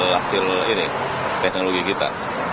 itu hasil teknologi kita